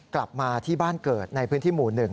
กลับมาที่บ้านเกิดในพื้นที่หมู่๑